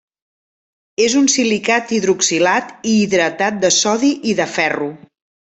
És un silicat hidroxilat i hidratat de sodi i de ferro.